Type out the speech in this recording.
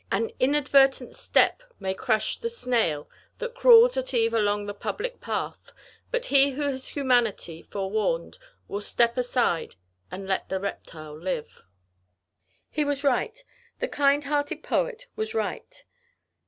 An inadvertent step may crush the snail, That crawls at eve along the public path; But he who has humanity, forewarned, Will step aside, and let the reptile live." [Illustration: THE POET COWPER.] He was right the kind hearted poet was right.